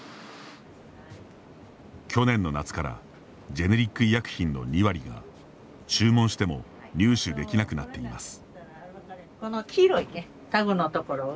去年の夏からジェネリック医薬品の２割が注文しても入手できなくなっています。